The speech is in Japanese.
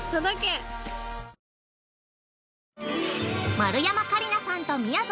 ◆丸山桂里奈さんと、みやぞ